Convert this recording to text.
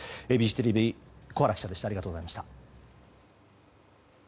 ＡＢＣテレビ、小原記者でした。